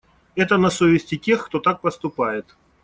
Это на совести тех, кто так поступает.